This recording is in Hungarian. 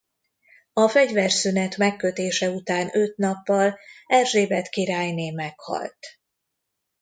A fegyverszünet megkötése után öt nappal Erzsébet királyné meghalt.